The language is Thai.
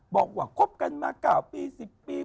บอกว่าคบกันมา๙ปี๑๐ปี